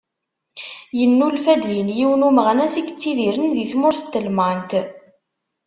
Yennulfa-d din yiwen n umeɣnas i yettidiren di tmurt n Telmant.